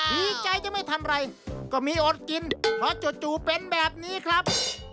ดีใจจะไม่ทำอะไรก็มีอดกินเพราะจู่เป็นแบบนี้ครับ